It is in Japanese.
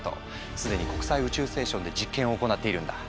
既に国際宇宙ステーションで実験を行っているんだ。